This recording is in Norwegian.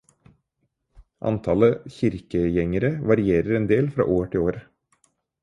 Antallet kirkegjengere varierer en del fra år til år.